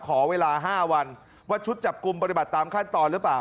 ขอเวลา๕วันว่าชุดจับกลุ่มปฏิบัติตามขั้นตอนหรือเปล่า